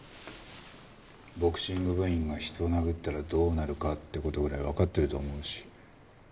ボクシング部員が人を殴ったらどうなるかって事ぐらいわかってると思うし。